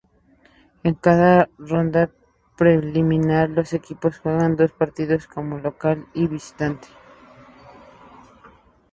En cada ronda preliminar los equipos juegan dos partidos, como local y visitante.